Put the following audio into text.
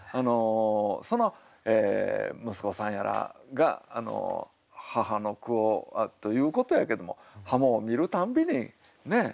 その息子さんやらが母の句をということやけども鱧を見るたんびにねえ。